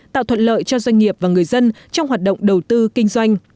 tạo thuận lợi cho doanh nghiệp và người dân trong hoạt động đầu tư kinh doanh